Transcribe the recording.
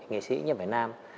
nghệ sĩ nhật việt nam